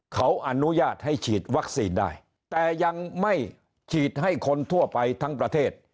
เขาอนุญาตให้ฉีดวัคซีนได้แต่ยังไม่ฉีดให้คนทั่วไปทั้งประเทศ